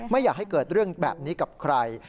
ไม่อยากให้เกิดเรื่องแบบนี้กับใคร